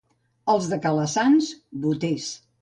Els de Calassanç, boters.